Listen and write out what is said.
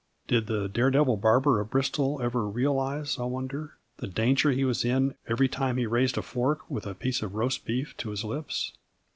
Did the daredevil barber of Bristol ever realise, I wonder, the danger he was in every time he raised a fork with a piece of roast beef to his lips?